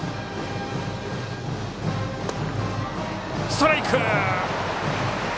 ストライク！